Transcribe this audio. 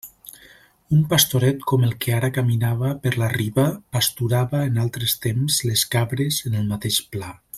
Un pastoret com el que ara caminava per la riba pasturava en altres temps les cabres en el mateix pla.